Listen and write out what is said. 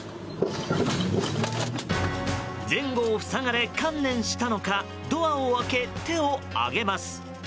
前後を塞がれ観念したのかドアを開け、手を上げます。